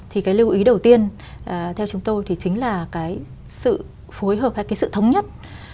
thì cái lưu ý đầu tiên theo chúng tôi thì chính là cái sự phối hợp hay cái sự thống nhất